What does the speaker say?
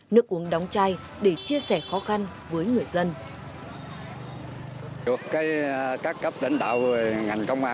nước uống đóng chai để chia sẻ khó khăn với người dân